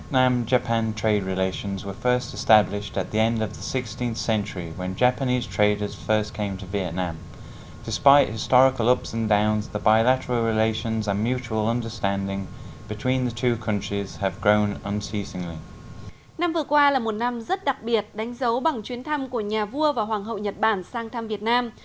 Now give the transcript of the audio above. năm vừa qua là một năm rất đặc biệt đánh dấu bằng chuyến thăm của nhà vua và hoàng hậu nhật bản sang thăm việt nam